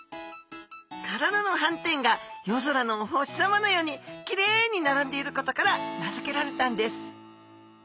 体のはんてんが夜空のお星さまのようにきれいに並んでいることから名付けられたんです